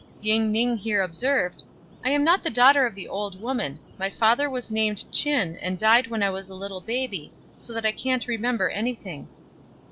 Ying ning here observed, "I am not the daughter of the old woman ; my father was named Ch'in and died when I was a little baby, so that I can't remember anything."